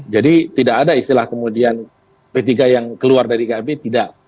jadi tidak ada istilah kemudian p tiga yang keluar dari kib tidak